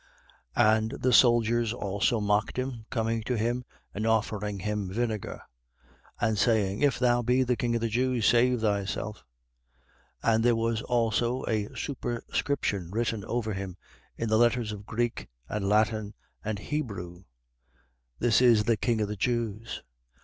23:36. And the soldiers also mocked him, coming to him and offering him vinegar, 23:37. And saying: If thou be the king of the Jews, save thyself. 23:38. And there was also a superscription written over him in letters of Greek and Latin and Hebrew THIS IS THE KING OF THE JEWS.